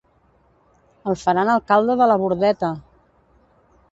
El faran alcalde de la Bordeta!